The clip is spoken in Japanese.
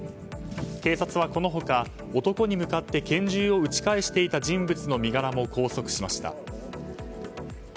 警察はこの他、男に向かって拳銃を撃ち返していた人物の身柄も拘束しました。